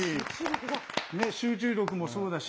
集中力もそうだし